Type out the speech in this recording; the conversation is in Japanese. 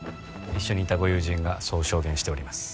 一緒にいたご友人がそう証言しております